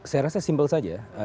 saya rasa simpel saja